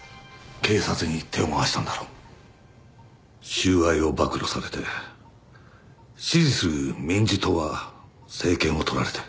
収賄を暴露されて支持する民事党は政権を取られた。